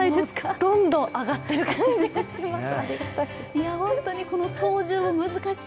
どんどん上がってる感じがします、ありがたい。